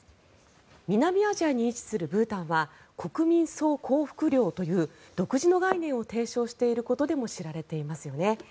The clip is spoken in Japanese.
南アジアに位置するブータンは国民総幸福量という独自の概念を提唱していることでも知られていますよね。